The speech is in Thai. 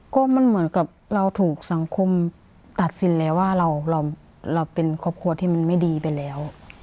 ก็มันเหมือนกับเราถูกสังคมตัดสินแล้วว่าเราเป็นครอบครัวที่มันไม่ดีไปแล้ว